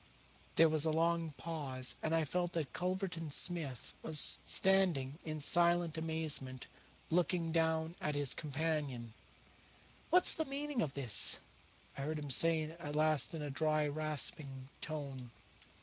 There was a long pause, and I felt that Culverton Smith was standing in silent amazement looking down at his companion. "What's the meaning of this?" I heard him say at last in a dry, rasping tone.